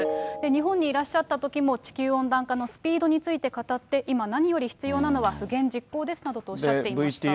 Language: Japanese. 日本にいらっしゃったときも、地球温暖化のスピードについて語って、今何より必要なのは不言実行ですなどとおっしゃっていました。